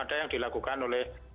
ada yang dilakukan oleh